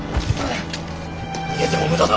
逃げても無駄だ。